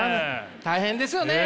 大変ですよね。